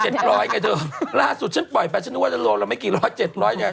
โลละ๗๐๐ไงเถอะล่าสุดฉันปล่อยไปฉันนึกว่าจะโลละไม่กี่ร้อย๗๐๐ไง